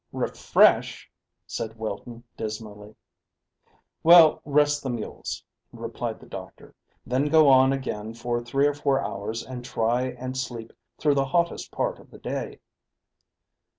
"Refresh!" said Wilton dismally. "Well, rest the mules," replied the doctor. "Then go on again for three or four hours and try and sleep through the hottest part of the day."